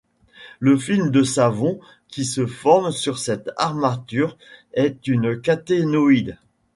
Le film de savon qui se forme sur cette armature est une caténoïde.